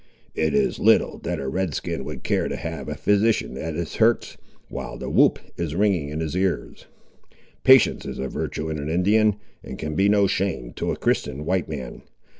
"It is little that a Red skin would care to have a physician at his hurts, while the whoop is ringing in his ears. Patience is a virtue in an Indian, and can be no shame to a Christian white man.